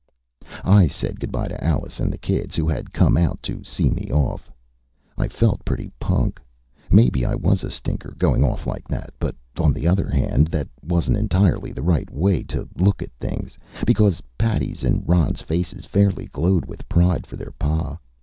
_" I said good by to Alice and the kids, who had come out to see me off. I felt pretty punk. Maybe I was a stinker, going off like that. But, on the other hand, that wasn't entirely the right way to look at things, because Patty's and Ron's faces fairly glowed with pride for their pa.